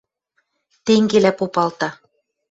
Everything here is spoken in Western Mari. Тенгелӓ попалта: